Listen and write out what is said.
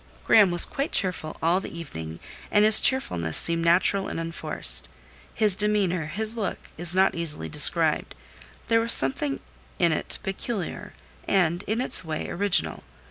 Graham was quite cheerful all the evening, and his cheerfulness seemed natural and unforced. His demeanour, his look, is not easily described; there was something in it peculiar, and, in its way, original.